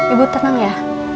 ibu tenang ya